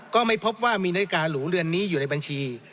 ก็ไม่พบว่ามีนาฬิกาหรูเรือนนี้อยู่ในบัญชี